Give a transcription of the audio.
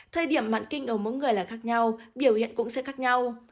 thời điểm mặn kinh ở mỗi người là khác nhau biểu hiện cũng sẽ khác nhau